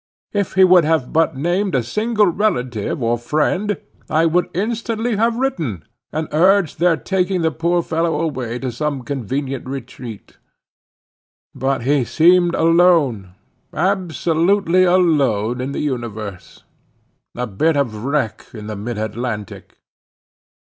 If he would but have named a single relative or friend, I would instantly have written, and urged their taking the poor fellow away to some convenient retreat. But he seemed alone, absolutely alone in the universe. A bit of wreck in the mid Atlantic.